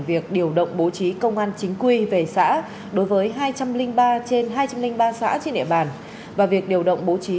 việc điều động bố trí công an chính quy về xã đối với hai trăm linh ba trên hai trăm linh ba xã trên địa bàn và việc điều động bố trí